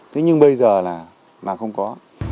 thế nhưng bây giờ là không có